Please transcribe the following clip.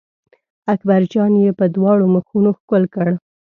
اکبر جان یې په دواړو مخونو ښکل کړ.